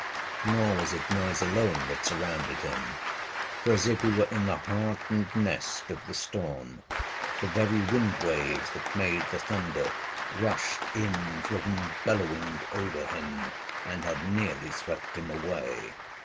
Nor was it noise alone that surrounded him, for, as if he were in the heart and nest of the storm, the very wind waves that made the thunder rushed in driven bellowing over him, and had nearly swept him away.